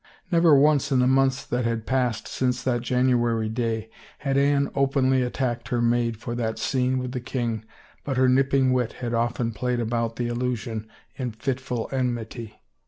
Never once in the months that had passed since that January day had Anne openly attacked her maid for that scene with the king but her nipping wit had often played about the allusion in fitful enmity.